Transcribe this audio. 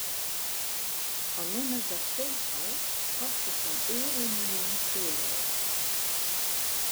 Allinne dat feest al koste sa'n oardel miljoen euro.